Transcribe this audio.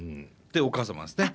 でお母様ですね。